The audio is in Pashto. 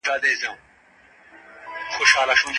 ولي تمرین د مهارتونو وده کوي؟